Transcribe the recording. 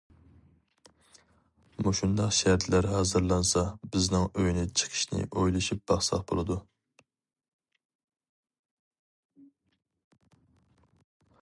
مۇشۇنداق شەرتلەر ھازىرلانسا بىزنىڭ ئۆينى چېقىشنى ئويلىشىپ باقساق بولىدۇ.